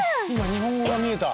今日本語が見えた！